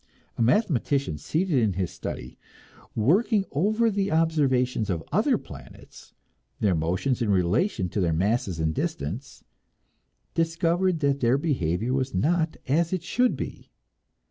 A mathematician seated in his study, working over the observations of other planets, their motions in relation to their mass and distance, discovered that their behavior was not as it should be.